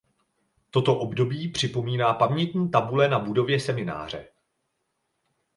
Toto období připomíná pamětní tabule na budově semináře.